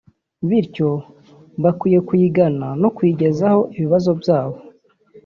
bityo bakwiye kuyigana no kuyigezaho ibibazo byabo